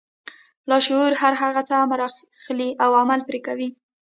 لاشعور هر هغه امر اخلي او عمل پرې کوي.